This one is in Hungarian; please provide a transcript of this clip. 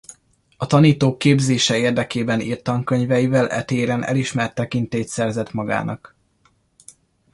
A tanítók képzése érdekében írt tankönyveivel e téren elismert tekintélyt szerzett magának.